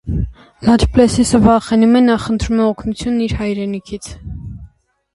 Լաչպլեսիսը վախենում է. նա խնդրում է օգնություն իր հայրենիքից։